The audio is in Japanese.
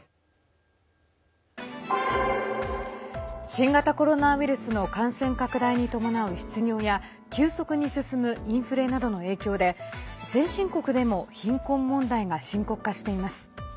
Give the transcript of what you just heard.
新型コロナウイルスの感染拡大に伴う失業や急速に進むインフレなどの影響で先進国でも貧困問題が深刻化しています。